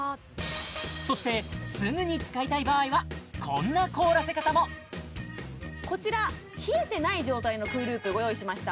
そしてすぐに使いたい場合はこんな凍らせ方もこちら冷えてない状態のＣＯＯＬＯＯＰご用意しました